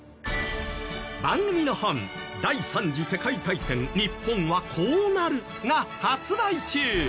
番組の本『第三次世界大戦日本はこうなる』が発売中。